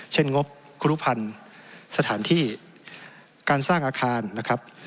งบครูรุภัณฑ์สถานที่การสร้างอาคารนะครับ